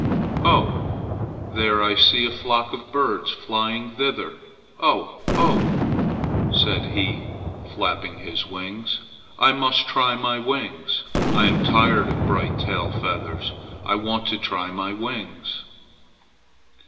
"Oh, there I see a flock of birds flying thither! Oh! oh!" said he, flapping his wings, "I must try my wings! I am tired of bright tail feathers. I want to try my wings."